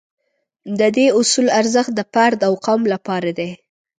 د دې اصول ارزښت د فرد او قوم لپاره دی.